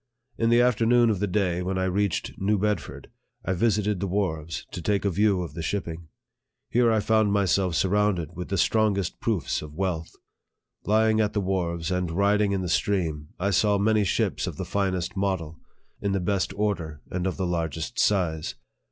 In the afternoon of the day when I reached New Bedford, I visited the wharves, to take a view of the shipping. Here I found myself surrounded with the strongest proofs of wealth. Lying at the wharves, and riding in the stream, I saw many ships of the finest model, in the best order, and of the largest size.